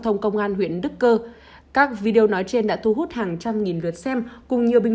thông công an huyện đức cơ các video nói trên đã thu hút hàng trăm nghìn lượt xem cùng nhiều bình